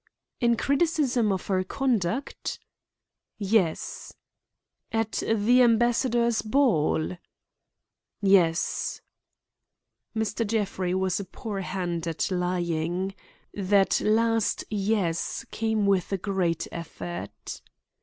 "In criticism of her conduct?" "Yes." "At the ambassador's ball?" "Yes." Mr. Jeffrey was a poor hand at lying. That last "yes" came with great effort.